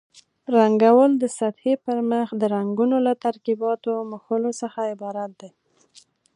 رنګول د سطحې پر مخ د رنګونو له ترکیباتو مښلو څخه عبارت دي.